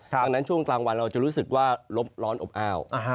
ดังนั้นช่วงกลางวันเราจะรู้สึกว่าลบร้อนอบอ้าว